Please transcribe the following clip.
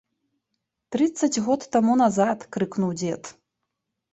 Трыццаць год таму назад крыкнуў дзед.